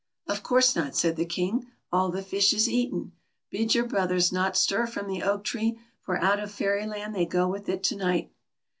" Of course not," said the King, " all the fish is eaten. Bid \ our brothers not stir from the oak tree, for out of Fair\ land they go with it to night."